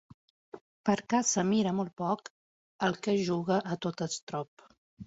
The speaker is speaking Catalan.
Per casa mira molt poc el qui juga a tot estrop.